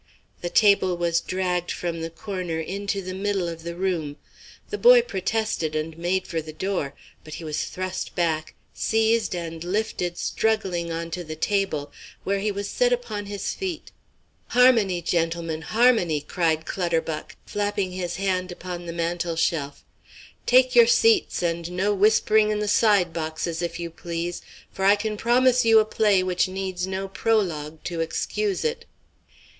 The table was dragged from the corner into the middle of the room. The boy protested, and made for the door. But he was thrust back, seized and lifted struggling on to the table, where he was set upon his feet. "Harmony, gentlemen, harmony!" cried Clutterbuck, flapping his hand upon the mantelshelf. "Take your seats, and no whispering in the side boxes, if you please. For I can promise you a play which needs no prologue to excuse it."